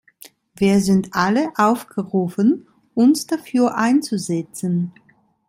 Wir sind alle aufgerufen, uns dafür einzusetzen.